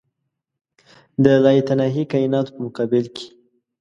د لایتناهي کایناتو په مقابل کې.